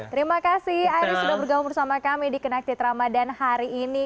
terima kasih aris sudah bergaul bersama kami di kena ketit ramadhan hari ini